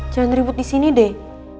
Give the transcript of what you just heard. jangan ribut disini deh